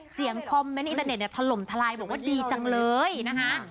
คอมเมนต์อินเตอร์เน็ตเนี่ยถล่มทลายบอกว่าดีจังเลยนะคะ